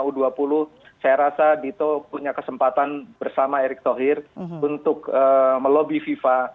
jadi dalam kasus piala dunia u dua puluh saya rasa dito punya kesempatan bersama erik thohir untuk melobby fifa